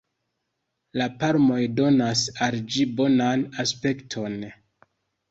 La palmoj donas al ĝi bonan aspekton.